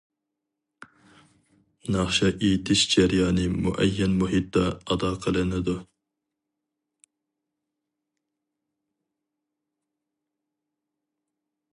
ناخشا ئېيتىش جەريانى مۇئەييەن مۇھىتتا ئادا قىلىنىدۇ.